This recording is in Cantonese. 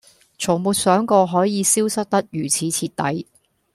從沒想過可以消失得如此徹底